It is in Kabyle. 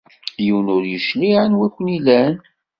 Yiwen ur yecliɛ anwa i ken-ilan.